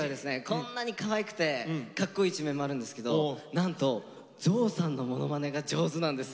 こんなにかわいくてかっこいい一面もあるんですけどなんと象さんのものまねが上手なんです。